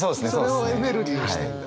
それをエネルギーにしてんだ？